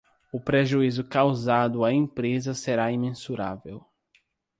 O prejuízo causado à empresa será imensurável